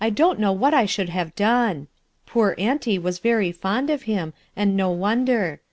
don't know what I should have done. Poor auntie was very fond of him, and no wonder.